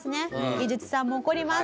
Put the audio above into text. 技術さんも怒ります。